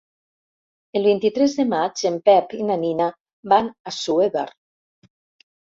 El vint-i-tres de maig en Pep i na Nina van a Assuévar.